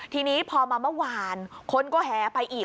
ทีนี้พอมาเมื่อวานคนก็แหไปอีก